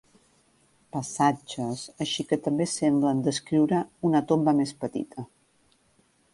Passatges així que també semblen descriure una tomba més petita.